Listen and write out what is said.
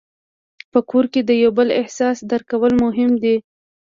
په کور کې د یو بل احساس درک کول مهم دي.